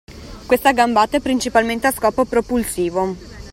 Questa gambata è principalmente a scopo propulsivo.